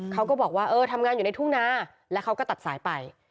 เขาก็บอกว่าเออทำงานอยู่ในทุ่งนาแล้วเขาก็ตัดสายไป